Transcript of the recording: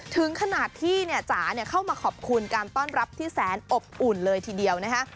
ถึงขนาดที่เนี่ยจ๋าเข้ามาขอบคุณการต้อนรับที่แสนอบอุ่นเลยทีเดียวนะคะ